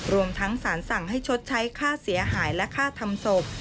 รวมทั้งสารสั่งให้ชดใช้ค่าเสียหายและค่าทำศพ